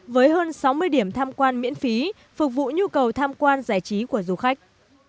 với hơn sáu mươi điểm tham quan miễn phí phục vụ nhu cầu tham quan giải trí của du khách